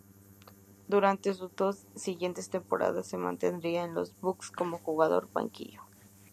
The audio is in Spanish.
Durante sus dos siguientes temporadas se mantendría en los Bucks como jugador de banquillo.